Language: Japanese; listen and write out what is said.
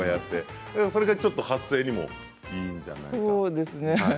それが発声にもいいんじゃないかと。